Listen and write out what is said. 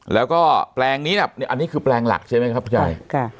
แล้วก็แปลงนี้อันนี้คือแปลงหลักใช่ไหมครับคุณยาย